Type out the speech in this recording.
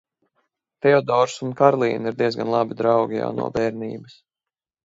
Teodors un Karlīna ir diezgan labi draugi jau no bērnības.